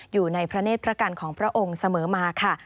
อยู่ในพระเนธพระกันของพระองค์เสมอมาค่ะ